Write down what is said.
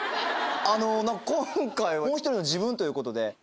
あの今回はもうひとりの自分ということで。